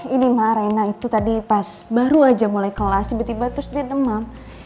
ini marena itu tadi pas baru aja mulai kelas tiba tiba terus dia demam